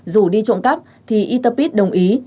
dù đi trộm cắp thì yter pit đồng ý